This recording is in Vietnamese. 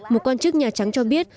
một quan chức nhà trắng cho biết